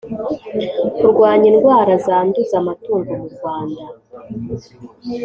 kurwanya indwara zanduza amatungo mu Rwanda